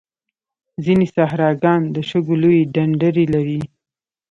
ځینې صحراګان د شګو لویې ډنډرې لري.